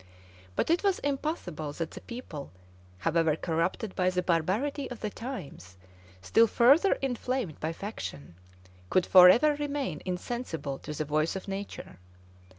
But it was impossible that the people, however corrupted by the barbarity of the times, still further inflamed by faction, could forever remain insensible to the voice of nature.